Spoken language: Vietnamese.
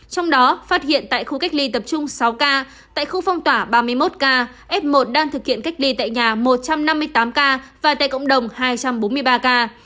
trong đó phát hiện tại khu cách ly tập trung sáu ca tại khu phong tỏa ba mươi một ca f một đang thực hiện cách ly tại nhà một trăm năm mươi tám ca và tại cộng đồng hai trăm bốn mươi ba ca